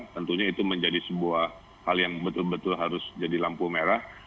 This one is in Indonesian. tentunya itu menjadi sebuah hal yang betul betul harus jadi lampu merah